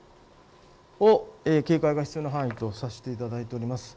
こちらを警戒が必要な範囲とさせていただいております。